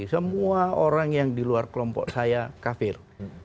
semua orang yang di luar kelompok saya kafir